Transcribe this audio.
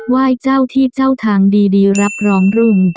เจ้าที่เจ้าทางดีรับรองรุ่ง